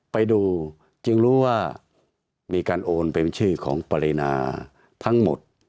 ไปดูจึงรู้ว่ามีการโอนเป็นชื่อของปรินาทั้งหมด